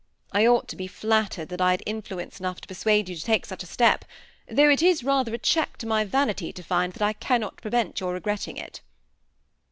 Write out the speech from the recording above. I ought to be flattered that I had influence enough to per suade you to take such a step, though it is rather a check to my vanity to find I cannot prevent your re gretting it."